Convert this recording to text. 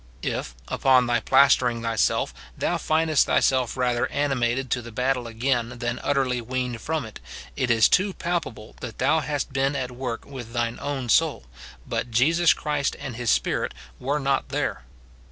If, upon thy plastering thyself, thou findest thyself rather animated to the battle again than utterly weaned from it, it is too palpable that thou hast been at work with thine own soul, but Jesus Christ and his Spi rit were not there.